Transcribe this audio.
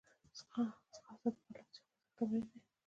ځغاسته د پرلهپسې خوځښت تمرین دی